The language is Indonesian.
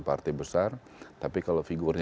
partai besar tapi kalau figurnya